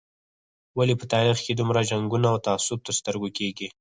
ولې په تاریخ کې دومره جنګونه او تعصب تر سترګو کېږي.